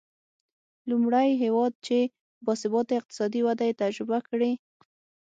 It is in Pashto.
لومړی هېواد چې با ثباته اقتصادي وده یې تجربه کړې.